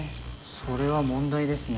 それは問題ですね。